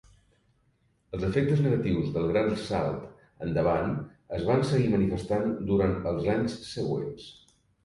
Els efectes negatius del Gran Salt Endavant es van seguir manifestant durant els anys següents.